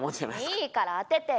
いいから当ててよ。